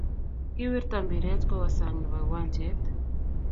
Kiwirta mbiret kowa sang nebo uwanjet